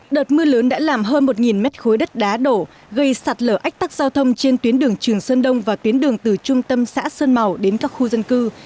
đợt mưa lớn đã làm hơn một mét khối đất đá đổ gây sạt lở ách tắc giao thông trên tuyến đường trường sơn đông và tuyến đường từ trung tâm xã sơn màu đến các khu dân cư